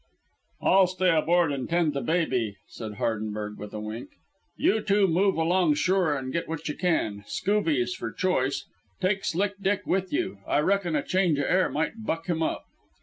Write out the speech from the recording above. "I'll stay aboard and tend the baby," said Hardenberg with a wink. "You two move along ashore and get what you can Scoovies for choice. Take Slick Dick with you. I reckon a change o' air might buck him up."